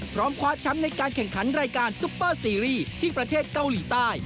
พร้อมคว้าแชมป์ในการแข่งขันรายการซุปเปอร์ซีรีส์ที่ประเทศเกาหลีใต้